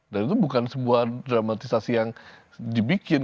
dan itu bukan sebuah dramatisasi yang dibikin